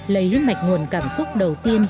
lấy mạch nguồn cảm xúc đầu tiên